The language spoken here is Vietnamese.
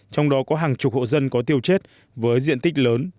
trong đó có hàng chục hộ dân có tiêu chết với diện tích lớn